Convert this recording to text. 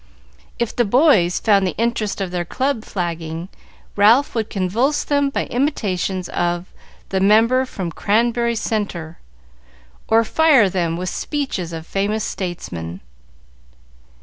If the boys found the interest of their club flagging, Ralph would convulse them by imitations of the "Member from Cranberry Centre," or fire them with speeches of famous statesmen.